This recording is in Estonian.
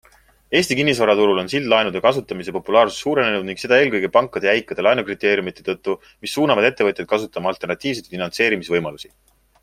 Eesti kinnisvaraturul on sildlaenude kasutamise populaarsus suurenenud ning seda eelkõige pankade jäikade laenukriteeriumite tõttu, mis suunavad ettevõtjad kasutama alternatiivseid finantseerimisvõimalusi.